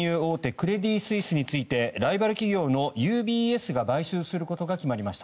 クレディ・スイスについてライバル企業のＵＢＳが買収することが決まりました。